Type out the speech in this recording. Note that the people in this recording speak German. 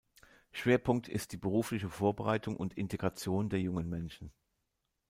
Schwerpunkt ist die berufliche Vorbereitung und Integration der jungen Menschen.